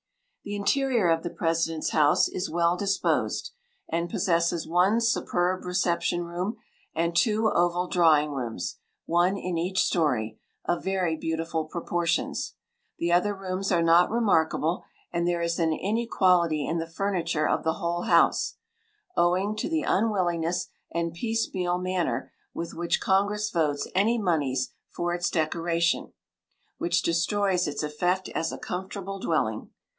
The interior of the President's House is well disposed, and possesses one superb reception room, and two oval drawing rooms, (one in each story,) of very beautiful proportions. The other rooms are not remarkable; and there is an inequality in the furniture of the whole house, (owing to the unwillingness and piecemeal manner with which Congress votes any monies for its decoration,) which destroys its effect as a comfortable dwelling.